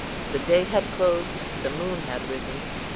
The day had closed—the moon had risen.